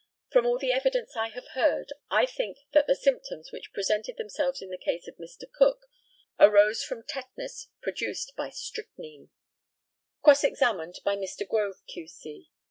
From all the evidence I have heard, I think that the symptoms which presented themselves in the case of Mr. Cook arose from tetanus produced by strychnine. Cross examined by Mr. GROVE, Q.C.